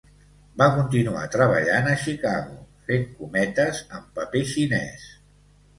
Va continuar treballant a Chicago, fent cometes amb paper xinès.